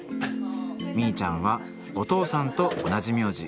みいちゃんはお父さんと同じ名字。